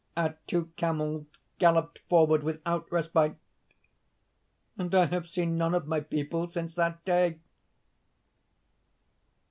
Our two camels galloped forward without respite; and I have seen none of my people since that day.